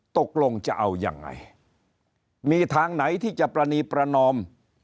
ตกลงจะเอายังไงมีทางไหนที่จะปรณีประนอม